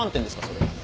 それ。